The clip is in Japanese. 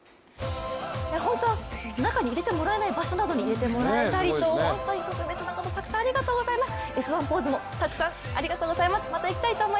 本当、中に入れてもらえない場所に入れてもらえたり本当に特別なこと、たくさんありがとうございました。